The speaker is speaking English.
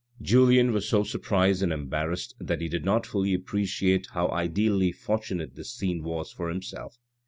Julien was so surprised and embarrassed that he did not fully appreciate how ideally fortunate this scene was for himself.